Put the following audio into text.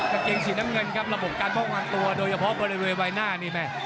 กางเกงสีน้ำเงินครับระบบการป้องกันตัวโดยเฉพาะบริเวณใบหน้านี่แม่